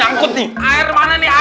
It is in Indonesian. ya ampun ada apa dengan bakwan